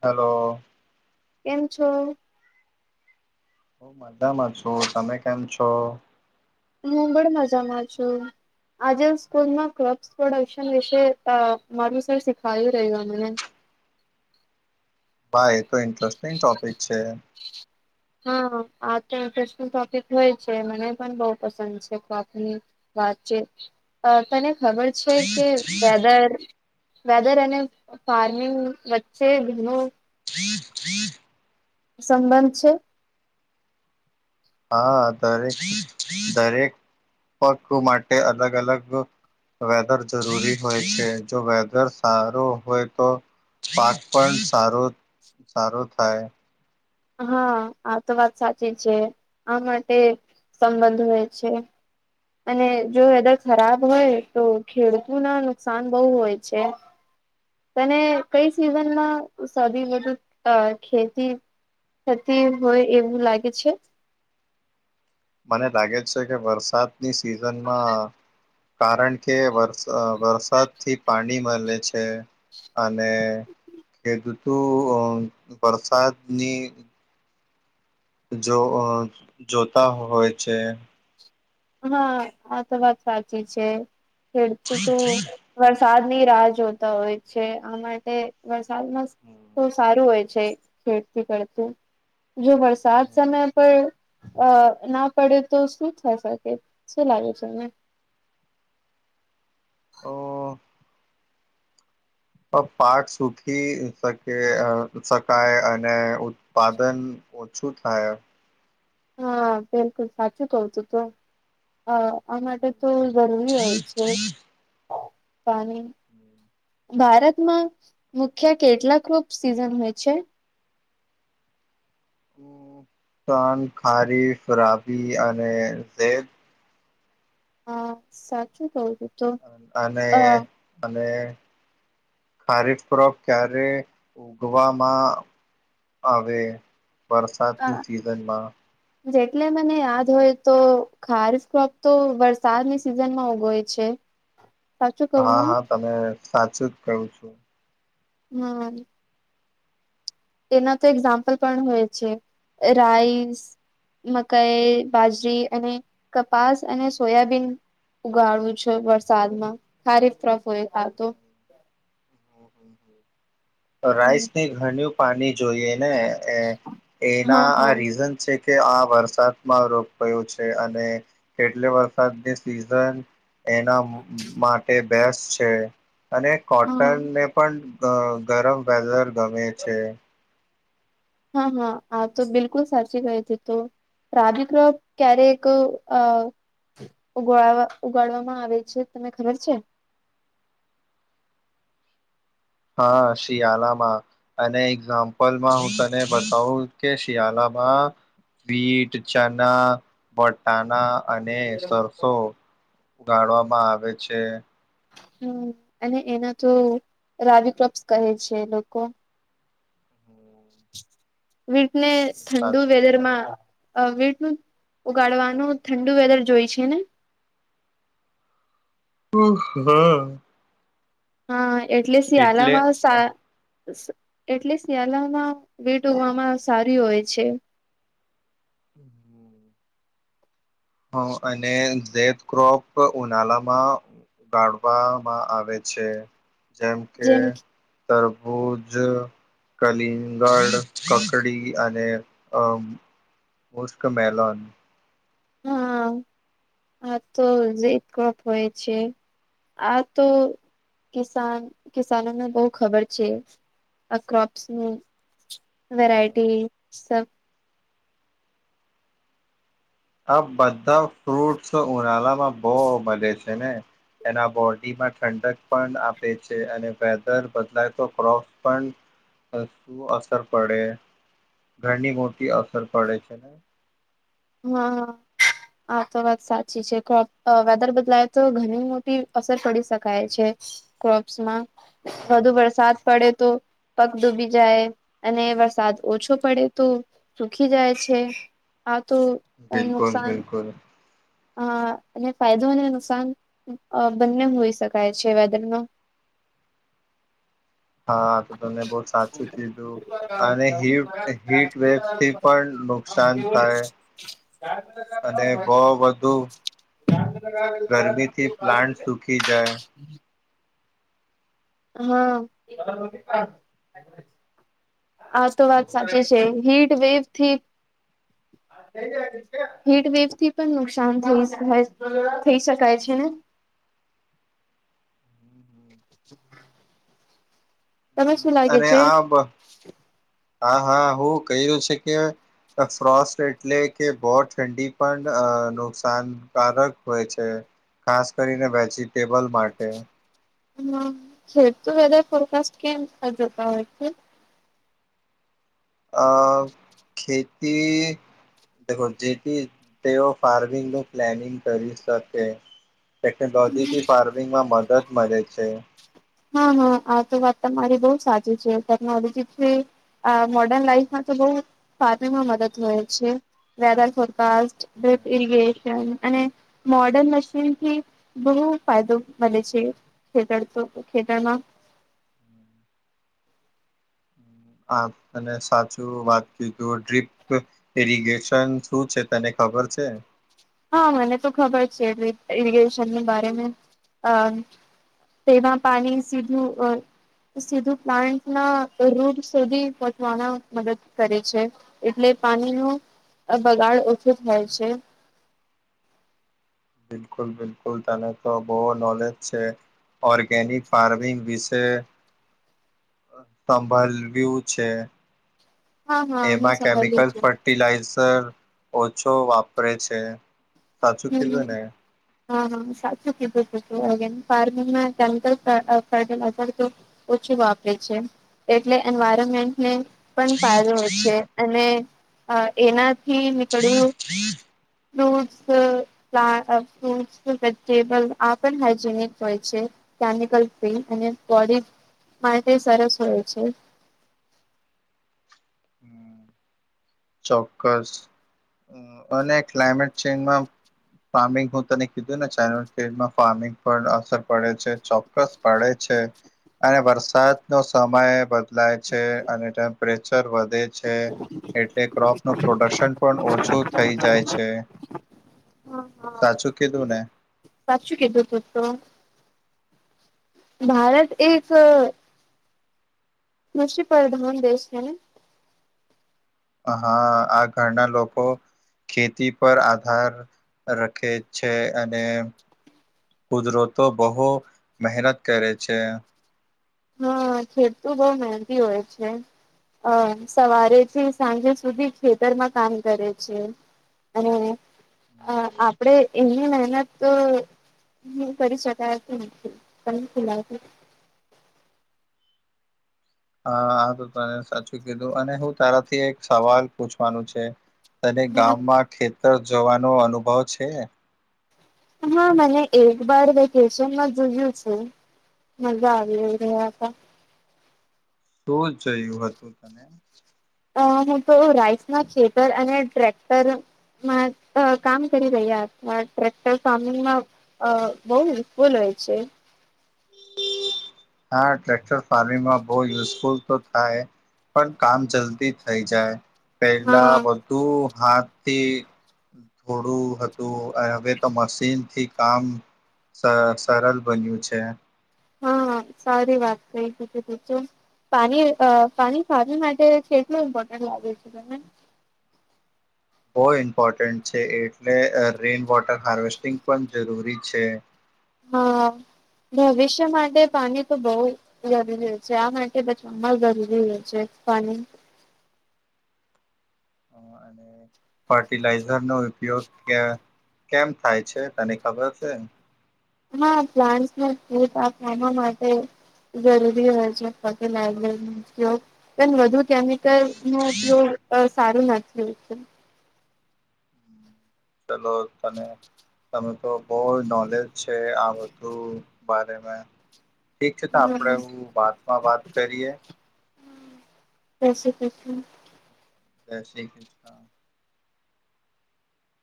Hello. કેમ છો? હું મજામાં છું તમે કેમ છો? હું પણ મજામાંછું. આજે સ્કૂલમાં ક્રોપ્સ પ્રોડક્શન વિશે અ મારું સર શીખાવાયુ રયુ અમને. ભાઈ એ તો ઇન્ટરેસ્ટિંગ ટોપિક છે. હા હાં આ તો ઈન્ટરેસ્ટિંગ ટોપિક હોય છે, મને પણ બઉ પસંદ છે ક્રોપની વાતચીત અ તને ખબર છે કે વેધર વેધર અને પાની વચ્ચે ઘનો [inaudible] સંબંધ છે. હા, દરેક દરેક પાકો માટે અલગ-અલગ વેધર જરૂરી હોય છે, જો વેધર સારું હોય તો... પાક પણ સારો સારો થાય. હા. આ તો વાત સાચી છે, આ માટે સંબંધ હોય છે. અને જો વેધર ખરાબ હોય, તો ખેડૂતના નુકસાન બઉં હોય છે. તને કઈ સિઝનમાં સથી વધુ અ ખેતી થતી હોય એવું લાગે છે. મને લાગે છે કે, વરસાદની સિઝનમાં કારણ કે વર અ વરસાદથી પાની મલે છે અને.. કેતતુ હોય વરસાદની જોહર જોતા હોય છે. હા, આ તો વાત સાચી છે. ખેડતુ તો... વરસાદની રાહ જોતા ઓય છે, આ માટે વરસાદમાં તો સારું હોય છે, ખેતી કરતું... જો વરસાદ સમય પર અ ના પડે તો શું થસે. શું લાગે છે એમને? અ... પ પાક સુખી સકે અ સ.... થાય અને ઉત્પાદન ઓછું થાય એમ. હા, બિલકુલ સાચું કવ તું તો. હ, આ માટે તો જરૂરી હોય છે પા પાની. ભારતમાં મુખ્ય કેટલાક રૂપ સિઝન હોય છે. તન ખારીફ, રાબી અને વેદ. હા, સાચું કઉ. તો અને.... અ અને.... ખારેફ ક્રોપ ક્યારે ઉવામાં હવે વરસાદની આ સિઝનમાં. જેટલે મને યાદ હોય, તો ખારસ ક્રોપ તો વરસાદની સિઝનમાં ઉભોય. છે. સાચું કહું હા, ને હા તમે સાચું જ કેવ છો. હા. તેના તો એક્ઝામ્પલ પણ હોય છે. રાઈસ... મકાઈ, બાઝરી અને કપાસ અને સોયાબીન. ઉગાડું છો. વરસાદમાં ખારીફ [unintelligible] હોય આતો હમ રાઈસની ઘન્યું પાની જોઈએ ને? એ હા એના, હા આ રીઝન છે. કે આ વરસાદમાં રોગ ભયો છે અને એટલે, વરસાદની સિઝન એના માટે બેસ છે અને હા કોટનને પણ અ ગરમ વેધર ગમે છે. હ, હ આ તો બિલકુલ સાચી ગઈ તી તો. રાગી કઅ ક્યારેએક અ... ઉગાળવા ઉગાડવામાં આવે છે, તમે ખબર છે? હા, શિયાલામાં. અને એક્ઝામ્પલમાં હું તને બતાવું કે, શિયાલામાં બીટ, ચના, બટાના... અને હમ સરસો ઉગાડવામાં આવે છે. હમ અને એના તો રવિ ક્રોપ્સ કહે છે લોકો. વીટનેસ ઠંડુ સાચું છે. વેધરમાં. વીટ નું ઉગાડવાનું ઠંડુ વેધર જોય છે ને. હા. હા એટલે શિયાળામાં શા એટલે શિયાળામાં બીટ ઉગવામાં સારી હોય છે. [inaudible] હ અને તે ક્રોપ ઉનાળામાં. ઉગાડવામાં આવે છે જેમ કે. તરબૂજ. કલિંગળ કકડી અને અ પુષ્ક મેલોન હા આ તો એ જ ક્રપ હોય છે. આ તો કિસાન કિસાનોને બહું ખબર છે. આ ક્રોપ્સ ની વેરાયટી સબ આ બધા ફ્રૂટસ ઉનાળા માં બહુ મળે છે ને એના બોડીમાં ઠંડક પણ આપે છે અને વેધર બદલાય તો ક્રોપ્સ પણ. શું અસર પડે ઘણી મોટી અસર પડે છે. હા હા આા તો વાત સાચી છે વેધર બદલાય તો ઘણી મોટી અસર પડી શકાય છે. ક્રોપ્સમાં વધુ વરસાદ પડે તો પાક ડૂબી જાય અને વરસાદ ઓછો પડે તો સુખી જાય છે. આ તો બિલકુલ નુકસાન બિલકુલ અ અને ફાયદો અને નુકસાન. અ બંને હોઈ શકાય છે વેધરનો હા તો તમે બહુ સાચું કીધું અને હીટ હીટવેવ થી. પણ નુકસાન થાય અને બો વધુ ગરમીથી પ્લાન્ટ સુખી જાય હા આ તો વાત સાચી છે હીટ વેવ થી હીટવેવ થી પણ નુકસાન થઈ થઈ શકાય છે ને. [inaudible] તમે શું લાગે અને છે હા હા હા હું ક્યું છે કે ફ્રોસ એટલે કે બહુ ઠંડી પણ નુકસાનકારક હોય છે. ખાસ કરીને વેજીટેબલ માટે હમ્ વેધર ફોરકાસ્ટ કેમ જતા હોય છે. અ ખેતી જે તે ફાર્મિંગ નું પ્લાનિંગ કરી શકે. ટેકનોલોજીથી ફાર્મિંગમાં મદદ મળે છે. હા હા આ તો વાત તમારી બહુ સાચી છે ટેકનોલોજી છે. આ મોર્ડર્ન લાઈફમાં તો બહ ફાર્મિંગ મદદ હોય છે. વેધર ફોરકાસ્ટ સેફ ઈલગેશન અને મોર્ડન મશીનથી બહુ ફાયદો મળે છે ખેડૂતો ને ખેતમાં આ તને સાચું વાત કીધુ ઇરીગેશન શું છે તને ખબર છે હા મને તો ખબર છે એરીગેશન બારે મા હા. તેમાં પાણી સીધું સીધું પ્લાન્ટ ના રૂટ સુધી પહોંચવાના મદદ કરે છે. એટલે પાણી નું બગાડ ઓછો થાય છે. બિલકુલ બિલકુલ તને તો બહુ નોલેજ છે. ઓર્ગેનિક ફાર્મિંગ વિશે વ્યુ [unintelligible] હા હા હું એમાં સંભાળ્યું કેમિકલ છું. ફર્ટિલાઇઝર ઓછો વાપરે છે. સાચું કીધું હમ. ને હા હા સાચું કીધું છે ફાર્મિંગમ. ઓછું વાપરે છે, એટલે એન્વાયરમેન્ટને પણ ફાયદો હોય છે. અને અ એનાથી નીકળ્યું બોજ ફ્રુટ વેજીિટેબલ આ પણ હાજીનિક હોય છે. કેમિકલ ફ અને બોડી માટે સરસ હોય છે. ચોક્કસ, અને ક્લાયમેટ ચેન્જમાં. ફાર્મિંગ હું તને કીધું ને ચાઇનલ પેજ માં ફાર્મિંગ પર અસર પડે છે, ચોક્કસ પડે છે. અને વરસાદ નો સમય બદલાય છે અને ટેમપ્રેચર વધે છે. [inaudible] એટલે ક્રોપ નું પ્રોડક્શન પણ ઓછું થઈ જાય છે. હા હા સાચું કીધું ને? સાચું કીધું તેતો, ભારત એક અ કૃષિ પ્રધાન દેશ છે ને? હા આ ઘરડા લોકો ખેતી પર આધાર રખે છે, અને કુદરતો તો બહુ મહેનત કરે છે. હા ખેડુતો બઉ મહેંનતી હોય છે. અ સવારેથી સાંજે સુધી ખેતરમાં કામ કરે છે. અને અ આપડે એમની મહેનત તો હું કરી શકાયતું નથી તમને ખુલાતું. હા, આ તો તને સાચું કીધું અને હું તારાથી એક સવાલ પૂછવાનું છે. તને ગામમાં ખેતર જોવાનો અનુભવ છે? હા મને એક વાર વેકેશનમાં જોયું છે. મજા આવી રહી રહ્યા હતા. શું જોયું હતું તમે? અ હું તો રાઈસ ના છેતર અને ટ્રેક્ટર મા અ કામ કરી રહ્યા હત ટ્રેક્ટર ફાર્મિંગમાં અ બહુ યુઝફુલ હોય છે. [inaudible] હા ટ્રેક્ટર ફાર્મિંગમાં બહુ યુઝફુલ તો થાય. પણ, કામ જલ્દી થઈ જાય, પેહલા હા બધું હાથ થી. થોડું હતું હવે તો મશીનથી કામ સર સરલ બન્યું છે. હા સારી વાત કઈ દીધી બીજું. પાણી અ પાણી ફાર્મિંગ માટે કેટલું ઇમ્પોર્ટન્ટ લાગે છે તને? બો ઇમ્પોર્ટન્ટ છે, એટલે રેઇન વોટર હાર્વેસ્ટિંગ પણ જરૂરી છે. હા, ભવિષ્ય માટે પાણી તો બહુ જરૂરી હોય છે આ માટે બચવામાં ય જરૂરી હોય છે પાણી. હ અને ફર્ટિલાઈઝર નો ઉપયોગ ક કેમ થાય છે તને ખબર છે? હા લાન્ટ્સ ને ગ્રોથ આપવા ના માવા માટે જરૂરી હોય છે, ફર્ટિલાઝર નો ઉપયોગ પણ વધુ ત્યાંની કે નો ઉપયોગ સારું ન થયું છે. ચલોલ તને તમે તો બહુ નોલેજ છે આ બધું બારે મે. ઠીક છે તો હમ, આપડે હું વાતમાં વાત કરીએ. જય શ્રી કૃષ્ણ. જય શ્રી કૃષ્ણ.